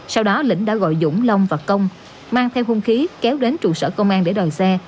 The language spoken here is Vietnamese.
sau đó lĩnh đã gọi dũng long và công mang theo hung khí kéo đến trụ sở công an để đoàn xe